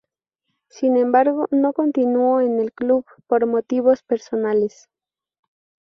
Sin embargo, no continuó en el club por motivos personales.